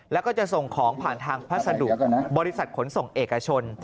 แล้วก็จะส่งของผ่านทางพัสดุบริษัทขนส่งเอกชน